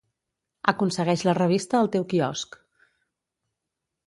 Aconsegueix la revista al teu quiosc